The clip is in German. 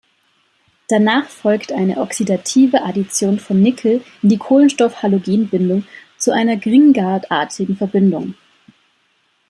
Danach folgt eine oxidative Addition von Nickel in die Kohlenstoff-Halogen-Bindung zu einer Grignard-artigen Verbindung.